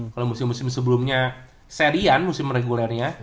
kalau musim musim sebelumnya serian musim regulernya